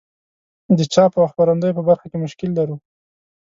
د چاپ او خپرندوی په برخه کې مشکل لرو.